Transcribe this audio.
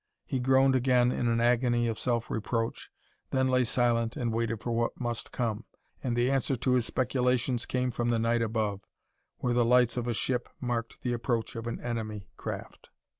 He groaned again in an agony of self reproach, then lay silent and waited for what must come. And the answer to his speculations came from the night above, where the lights of a ship marked the approach of an enemy craft.